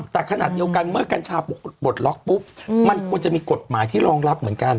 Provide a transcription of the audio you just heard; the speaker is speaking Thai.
แต่ขณะเดียวกันเมื่อกัญชาปลดล็อกปุ๊บมันควรจะมีกฎหมายที่รองรับเหมือนกัน